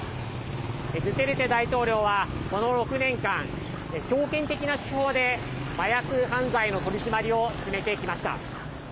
ドゥテルテ大統領はこの６年間、強権的な手法で麻薬犯罪の取り締まりを進めてきました。